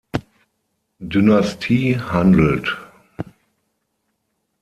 Dynastie handelt.